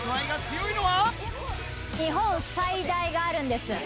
日本最大があるんです。